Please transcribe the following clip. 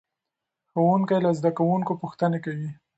ښوونکی له زده کوونکو پوښتنې کوي.